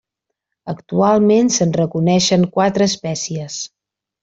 Actualment se'n reconeixen quatre espècies.